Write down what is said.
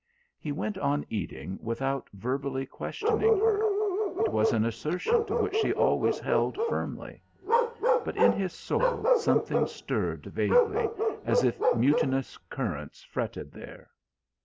He went on eating without verbally questioning her; it was an assertion to which she always held firmly. But in his soul something stirred vaguely, as if mutinous currents fretted there.